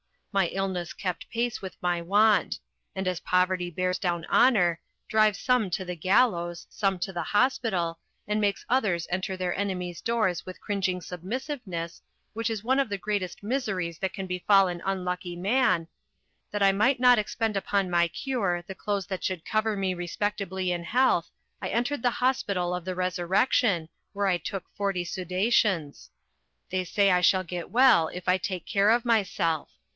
My illness kept pace with my want; and as poverty bears down honour, drives some to the gallows, some to the hospital, and makes others enter their enemies' doors with cringing submissiveness, which is one of the greatest miseries that can befall an unlucky man; that I might not expend upon my cure the clothes that should cover me respectably in health, I entered the Hospital of the Resurrection, where I took forty sudations. They say that I shall get well if I take care of myself.